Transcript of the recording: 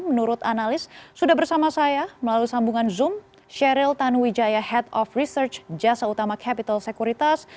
menurut analis sudah bersama saya melalui sambungan zoom sheryl tanuwijaya head of research jasa utama capital securitas